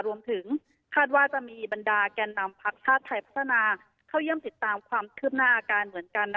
รวมถึงคาดว่าจะมีบรรดาแก่นำพักชาติไทยพัฒนาเข้าเยี่ยมติดตามความคืบหน้าอาการเหมือนกัน